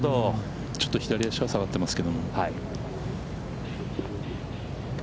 ちょっと左足は下がってますけども。